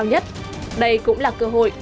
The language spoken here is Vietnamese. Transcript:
đây cũng là cơ hội